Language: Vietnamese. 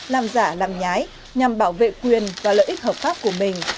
làm giả làm nhái nhằm bảo vệ quyền và lợi ích hợp pháp của mình